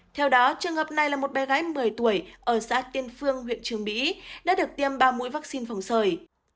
theo đó trường hợp này là một bé gái một mươi tuổi ở xã tiên phương huyện trường mỹ đã được tiêm ba mũi vaccine phòng sởi